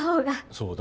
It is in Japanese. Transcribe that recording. そうだ。